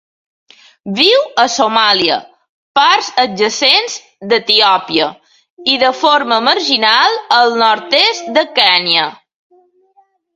Viu a Somàlia, parts adjacents d'Etiòpia, i de forma marginal al nord-est de Kenya.